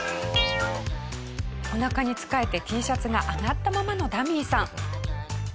お腹につかえてＴシャツが上がったままのダミーさん。